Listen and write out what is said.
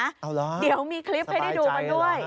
เอาล่ะสบายใจหรือเปล่านะเดี๋ยวมีคลิปให้ได้ดูกันด้วย